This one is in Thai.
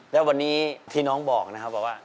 แล้ววันนี้ที่น้องบอกนะครับบอกว่า